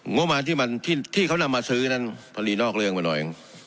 งบมาที่มันที่ที่เขานำมาซื้อนั่นพอดีนอกเรื่องไปหน่อย